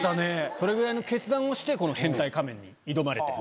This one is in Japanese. それぐらいの決断をしてこの『変態仮面』に挑まれてる。